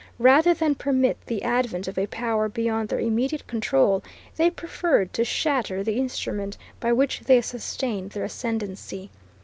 Rather than permit the advent of a power beyond their immediate control, they preferred to shatter the instrument by which they sustained their ascendancy.